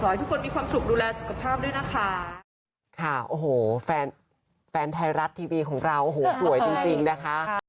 ให้ทุกคนมีความสุขดูแลสุขภาพด้วยนะคะค่ะโอ้โหแฟนแฟนไทยรัฐทีวีของเราโอ้โหสวยจริงจริงนะคะ